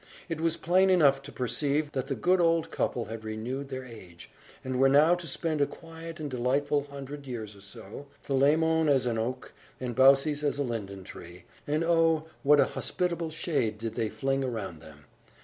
It was plain enough to perceive that the good old couple had renewed their age, and were now to spend a quiet and delightful hundred years or so, Philemon as an oak, and Baucis as a linden tree. And oh, what a hospitable shade did they fling around them.